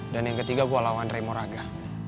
dan yang ketiga gue lawan raimuraga